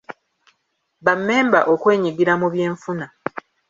Bammemba okwenyigira mu byenfuna.